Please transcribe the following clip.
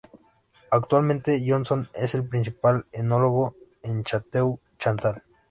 Actualmente Johnson es el principal enólogo en Chateau Chantal.